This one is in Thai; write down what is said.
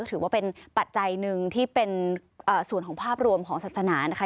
ถือว่าเป็นปัจจัยหนึ่งที่เป็นส่วนของภาพรวมของศาสนานะคะ